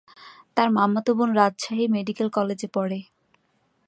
তার মামাতো বোন রাজশাহী মেডিকেল কলেজে পড়ে।